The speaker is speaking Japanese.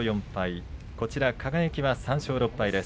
輝は３勝６敗です。